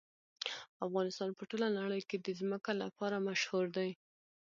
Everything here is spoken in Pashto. افغانستان په ټوله نړۍ کې د ځمکه لپاره مشهور دی.